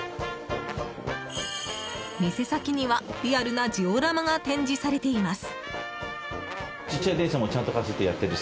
店先には、リアルなジオラマが展示されています。